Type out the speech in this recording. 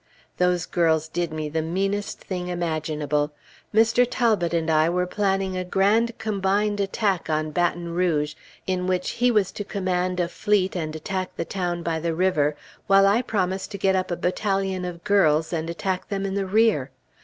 Those girls did me the meanest thing imaginable. Mr. Talbot and I were planning a grand combined attack on Baton Rouge, in which he was to command a fleet and attack the town by the river, while I promised to get up a battalion of girls and attack them in the rear.